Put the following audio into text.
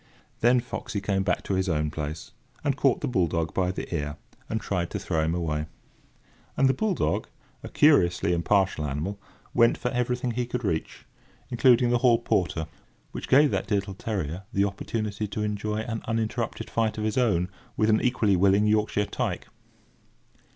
Then Foxey came back to his own place, and caught the bull dog by the ear, and tried to throw him away; and the bull dog, a curiously impartial animal, went for everything he could reach, including the hall porter, which gave that dear little terrier the opportunity to enjoy an uninterrupted fight of his own with an equally willing Yorkshire tyke.